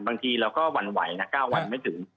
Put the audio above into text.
บางทีเราก็หวั่นไหวนะ๙วันไม่ถึง